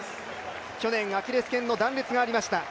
去年、アキレスけんの断裂がありました。